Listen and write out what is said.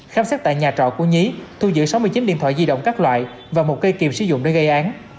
khám xét tại nhà trọ của nhí thu giữ sáu mươi chín điện thoại di động các loại và một cây kiềm sử dụng để gây án